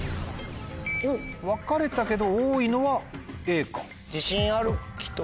分かれたけど多いのはＡか。